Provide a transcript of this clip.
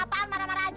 apaan marah marah aja